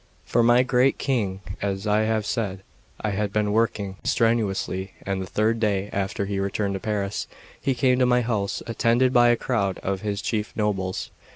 1 For my great King, as I have said, I had been working strenuously, and the third day after he returned to Paris, he came to my house, attended by a crowd of his chief nobles.